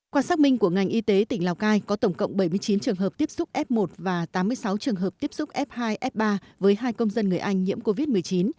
qua xác minh của ngành y tế tỉnh lào cai có tổng cộng bảy mươi chín trường hợp tiếp xúc f một và tám mươi sáu trường hợp tiếp xúc f hai f ba với hai công dân người anh nhiễm covid một mươi chín